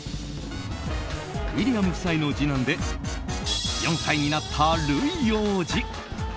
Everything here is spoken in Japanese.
ウィリアム夫妻の次男で４歳になったルイ王子。